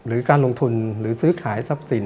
การลงทุนหรือซื้อขายทรัพย์สิน